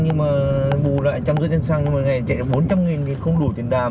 nhưng mà bù lại một trăm năm mươi tiền xăng một ngày chạy bốn trăm linh nghìn thì không đủ tiền đàm